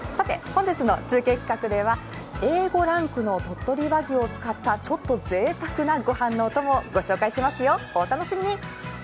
本日の中継企画では、Ａ５ランクの鳥取和牛を使ったちょっとぜいたくなご飯のお供紹介しますよ、お楽しみに。